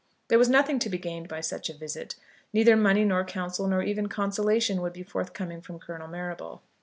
There was nothing to be gained by such a visit. Neither money nor counsel, nor even consolation would be forthcoming from Colonel Marrable.